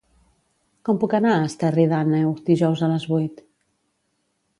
Com puc anar a Esterri d'Àneu dijous a les vuit?